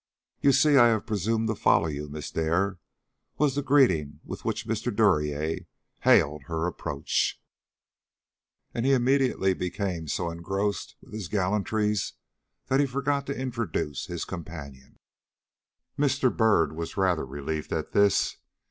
"You see I have presumed to follow you, Miss Dare," was the greeting with which Mr. Duryea hailed her approach. And he immediately became so engrossed with his gallantries he forgot to introduce his companion. Mr. Byrd was rather relieved at this.